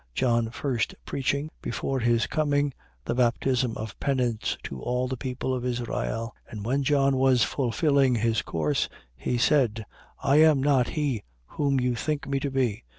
John first preaching, before his coming, the baptism of penance to all the people of Israel. 13:25. And when John was fulfilling his course, he said: I am not he whom you think me to be.